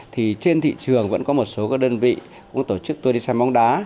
thì trên thị trường vẫn có một số các đơn vị cũng tổ chức tour đi xe bóng đá